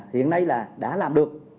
hiện nay là đã làm được